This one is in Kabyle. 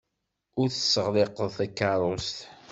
Ur teɣliqeḍ takeṛṛust?